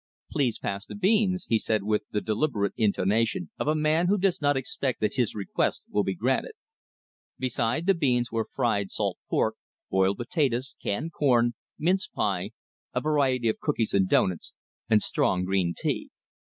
"Please pass the beans," he said with the deliberate intonation of a man who does not expect that his request will be granted. Besides the beans were fried salt pork, boiled potatoes, canned corn, mince pie, a variety of cookies and doughnuts, and strong green tea.